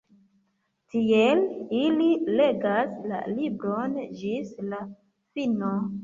Tiel, ili legas la libron ĝis la fino.